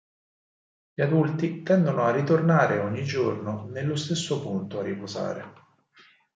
Gli adulti tendono a ritornare ogni giorno nello stesso punto a riposare.